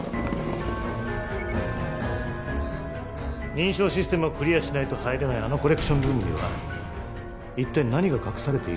認証システムをクリアしないと入れないあのコレクションルームには一体何が隠されているのか。